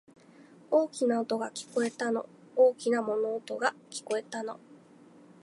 大きな音が、聞こえたの。大きな物音が、聞こえたの。